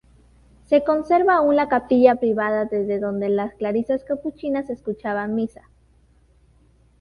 Se conserva aún la capilla privada desde donde las Clarisas Capuchinas escuchaban misa.